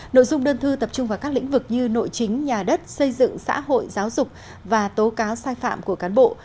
nội dung đơn thư tập trung vào các lĩnh vực như nội chính nhà đất xây dựng xã hội giáo dục và tố cáo sai phạm của cán bộ